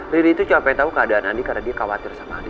riri itu capek tau keadaan andi karena dia khawatir sama andi